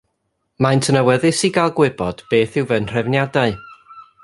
Maent yn awyddus i gael gwybod beth yw fy nhrefniadau.